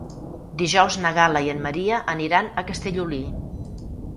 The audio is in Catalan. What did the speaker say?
Dijous na Gal·la i en Maria aniran a Castellolí.